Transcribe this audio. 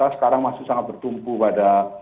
sekarang masih sangat bertumpu pada